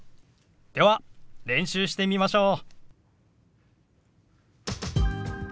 では練習してみましょう。